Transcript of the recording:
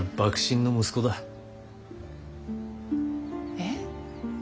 えっ？